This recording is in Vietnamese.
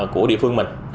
của địa phương mình